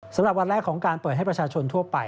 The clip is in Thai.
สำหรับวันแรกของการเปิดให้ประชาชนทั่วไป